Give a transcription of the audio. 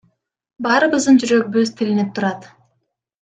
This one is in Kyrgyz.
Баарыбыздын жүрөгүбүз тилинип турат.